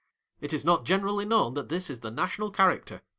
It is not generally known that this is the national character.